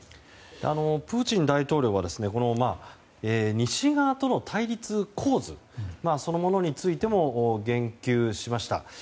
プーチン大統領は西側との対立構図そのものについても言及しました。